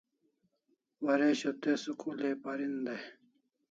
Waresho te school ai parin dai